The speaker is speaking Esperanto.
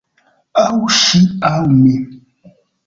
Aŭ ŝi aŭ mi!